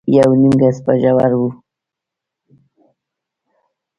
يونيم ګز به ژور و.